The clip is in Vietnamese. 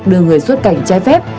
đưa người xuất cảnh trái phép